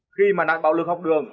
khi mà nạn bạo lực học đường